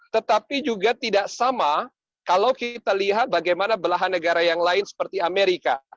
tetapi juga tidak sama kalau kita lihat bagaimana belahan negara yang lain seperti amerika